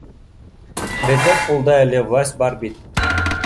Беҙҙең ҡулда әле власть бар бит